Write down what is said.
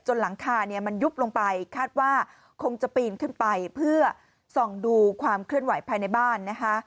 หลังคาเนี่ยมันยุบลงไปคาดว่าคงจะปีนขึ้นไปเพื่อส่องดูความเคลื่อนไหวภายในบ้านนะคะ